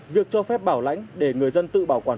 việc cho phép bảo lãnh để người dân tự bảo quản